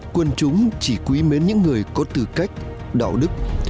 quân chúng chỉ quý mến những người có tư cách đạo đức